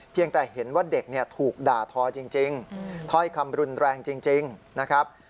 แต่เห็นว่าเด็กเนี่ยถูกด่าทอจริงถ้อยคำรุนแรงจริงนะครับ